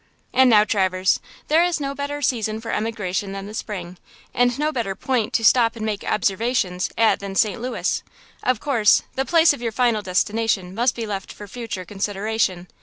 And now, Traverse, there is no better season for emigration than the spring, and no better point to stop and make observations at than St. Louis! Of course, the place of your final destination must be left for future consideration.